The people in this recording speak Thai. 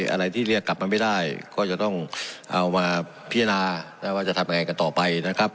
อะไรที่เรียกกลับมาไม่ได้ก็จะต้องเอามาพิจารณาว่าจะทำยังไงกันต่อไปนะครับ